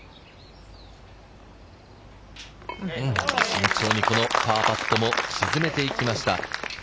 慎重にパーパットを沈めていきました。